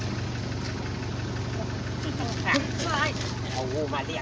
เอาหัวมาเรียกไว้เร็ว